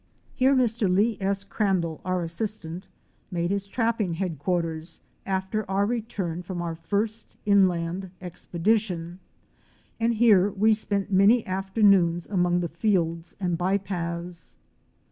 Here Mr. Lee S. Crandall, our assistant, made his trapping headquarters after our return from our first inland expedition and here we spent many afternoons among the fields and by paths.